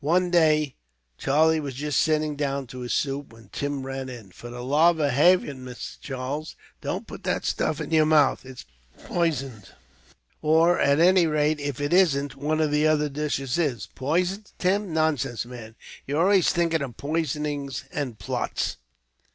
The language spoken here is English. One day, Charlie was just sitting down to his soup, when Tim ran in. "For the love of Heaven, Mr. Charles, don't put that stuff to your mouth. It's pisoned, or, at any rate, if it isn't, one of the other dishes is." "Poisoned, Tim! Nonsense, man. You are always thinking of poisonings and plots."